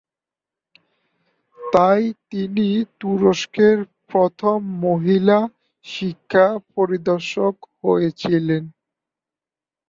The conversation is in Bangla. তাই তিনি তুরস্কের প্রথম মহিলা শিক্ষা পরিদর্শক হয়েছিলেন।